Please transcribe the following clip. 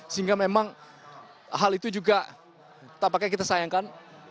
sehingga memang hal itu juga tampaknya kita sayangkan